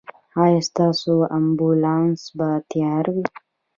ایا ستاسو امبولانس به تیار وي؟